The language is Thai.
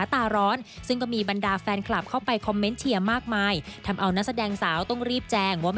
๒ต่อ๒จริงหรือเปล่าไม่รู้มีอย่างน้อยอีกแล้ว